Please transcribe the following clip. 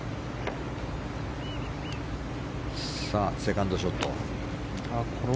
セカンドショット。